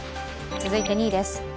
続いて２位です。